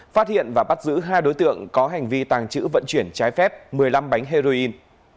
phát hiện và bắt giữ hai đối tượng có hành vi tàng trữ vận chuyển trái phép một mươi năm bánh heroin